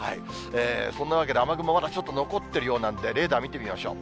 そんなわけで雨雲、まだちょっと残ってるようなんで、レーダー見てみましょう。